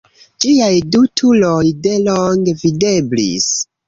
Ĝiaj du turoj de longe videblis.